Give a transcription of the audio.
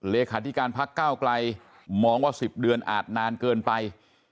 เลขาธิการพักก้าวไกลมองว่า๑๐เดือนอาจนานเกินไป